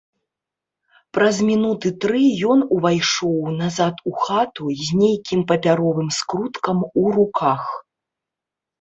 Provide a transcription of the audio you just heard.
Праз мінуты тры ён увайшоў назад у хату з нейкім папяровым скруткам у руках.